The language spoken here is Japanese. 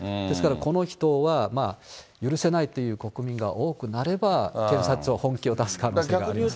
この人は許せないという国民が多くなれば、警察は本気を出す可能性があります。